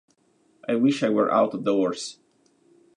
I wish I were out of doors!